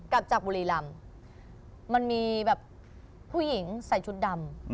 กลับจากบุรีรำมันมีแบบผู้หญิงใส่ชุดดำ